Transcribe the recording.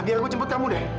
biar aku jemput kamu deh